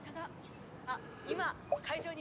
「あっ今会場に」